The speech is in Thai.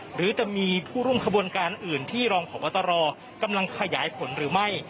หรือจะมีผู้ร่วมขบวนการอื่นที่รองพบตรกำลังขยายผลหรือไม่